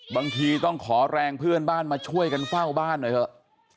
บางทีต้องขอแรงเพื่อนบ้านมาช่วยกันเฝ้าบ้านหน่อยเถอะ